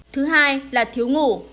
thứ hai là thiếu ngủ